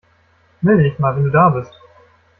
Melde dich mal, wenn du da bist.